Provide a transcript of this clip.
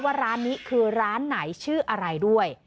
ว่าร้านนี้คือร้านไหนชื่ออะไรด้วย